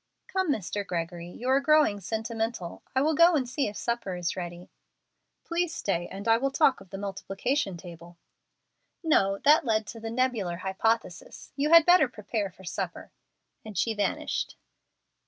"Come, Mr. Gregory, you are growing sentimental. I will go and see if supper is ready." "Please stay, and I will talk of the multiplication table." "No, that led to the 'Nebular Hypothesis.' You had better prepare for supper;" and she vanished.